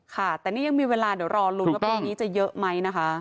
ค่ะแต่นี่ยังมีเวลาเดี๋ยวรอลุ้นว่าพรุ่งนี้จะเยอะไหมนะคะ